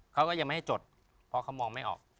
เขาก็ยังไม่ให้จดเพราะเขามองไม่ออก